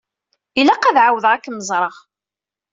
Ilaq ad ɛawdeɣ ad kem-ẓreɣ.